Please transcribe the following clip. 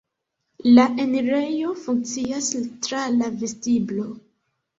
La enirejo funkcias tra la vestiblo.